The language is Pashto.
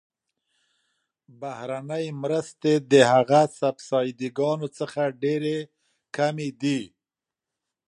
بهرنۍ مرستې د هغه سبسایډي ګانو څخه ډیرې کمې دي.